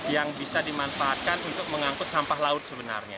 yang bisa dimanfaatkan untuk mengangkut sampah laut sebenarnya